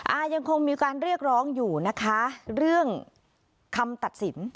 อ่ายังคงมีการเรียกร้องอยู่นะคะเรื่องคำตัดสิน